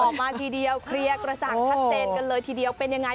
ออกมาทีเดียวเคลียร์กระจ่างชัดเจนกันเลยทีเดียวเป็นยังไง